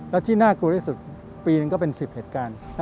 แล้วที่น่ากลัวที่สุดปีหนึ่งก็เป็น๑๐เหตุการณ์